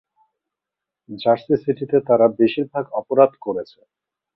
Jersey সিটিতে তারা বেশিরভাগ অপরাধ করেছে।